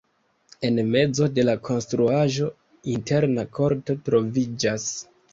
En mezo de la konstruaĵo interna korto troviĝas.